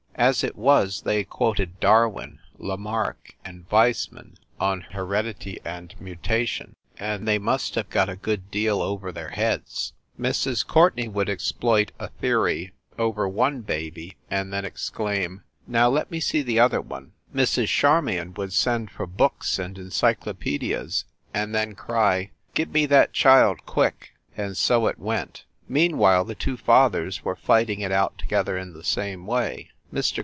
As it was, they quoted Darwin, Lamarcke and Weissman on heredity and mutation, and they must have got a good deal over their heads. Mrs. Courtenay would exploit a theory over one 330 FIND THE WOMAN baby, and then exclaim, "Now let me see the other one!" Mrs. Charmion would send for books and encyclopedias, and then cry, "Give me that child quick !" And so it went. Meanwhile the two fathers were fighting it out together in the same way. Mr.